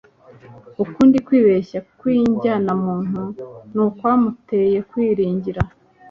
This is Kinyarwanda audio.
ukundi kwibeshya kw'injyanamuntu ni ukwamuteye kwiringira